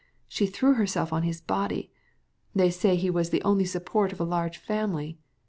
She flung herself on the body. They say he was the only support of an immense family.